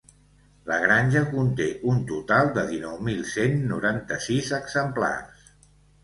La granja conté un total de dinou mil cent noranta-sis exemplars.